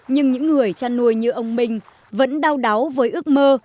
nhưng những người chăn nuôi như ông minh vẫn đau đáu với ước mơ